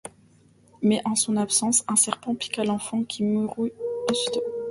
Mais, en son absence, un serpent piqua l'enfant, qui mourut aussitôt.